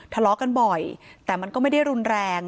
ทะเลากันบ่อยแต่ไม่ได้รุนแรง